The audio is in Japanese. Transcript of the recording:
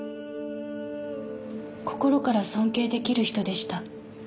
心から尊敬出来る人でした。